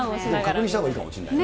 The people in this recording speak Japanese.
確認したほうがいいかもしれない。